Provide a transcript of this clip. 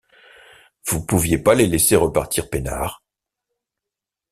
Vous pouviez pas les laisser repartir peinards ?